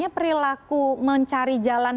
perilaku mencari jalan